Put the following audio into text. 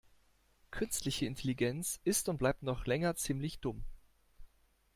Künstliche Intelligenz ist und bleibt noch länger ziemlich dumm.